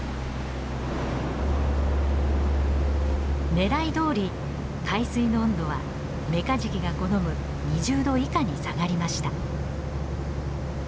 ねらいどおり海水の温度はメカジキが好む２０度以下に下がりました。